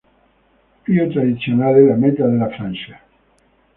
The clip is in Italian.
Più tradizionale la meta della Francia.